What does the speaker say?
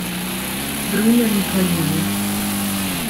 Bruno Nicolini